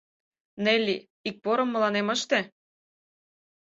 Нелли, ик порым мыланем ыште.